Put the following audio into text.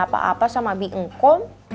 kalau gak pulang bagaimana